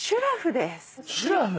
シュラフ？